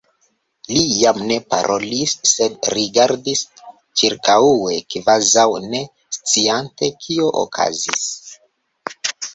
Li jam ne parolis, sed rigardis ĉirkaŭe kvazaŭ ne sciante kio okazis.